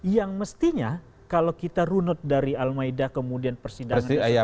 yang mestinya kalau kita runut dari al maida kemudian persidangan itu